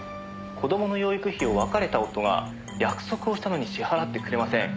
「子供の養育費を別れた夫が約束をしたのに支払ってくれません」